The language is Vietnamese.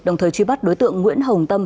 đồng thời truy bắt đối tượng nguyễn hồng tâm